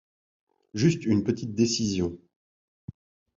Juste une petite décision.